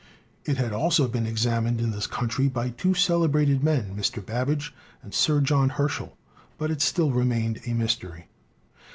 It had also been examined in this coun try by two celebrated men, Mr. Babbage and Sir John Herschel ; but it still remained a mystery.